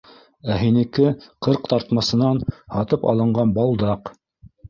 Ә һинеке ҡырҡтартмасынан һатып алынған балдаҡ.